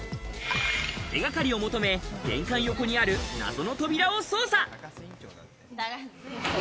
手掛かりを求め、玄関横にある謎の扉を捜査。